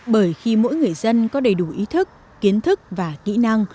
bởi khi mỗi người dân có đầy đủ ý thức kiến thức và kỹ năng